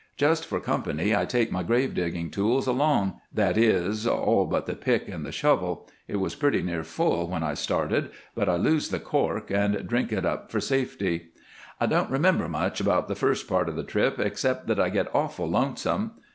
Just for company I take my grave digging tools along that is, all but the pick and the shovel. It was pretty near full when I started, but I lose the cork and drink it up for safety. "I don't remember much about the first part of the trip except that I get awful lonesome.